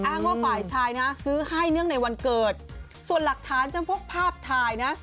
ว่าฝ่ายชายนะซื้อให้เนื่องในวันเกิดส่วนหลักฐานจำพวกภาพถ่ายนะ